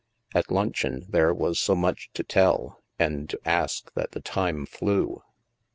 At luncheon there was so much to tell and to ask that the time flew.